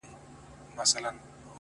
په رڼا كي يې پر زړه ځانمرگى وسي؛